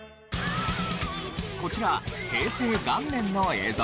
こちら平成元年の映像。